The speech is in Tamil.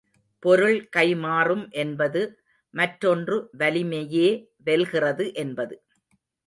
பொருள் கை மாறும் என்பது மற்றொன்று வலிமையே வெல்கிறது என்பது.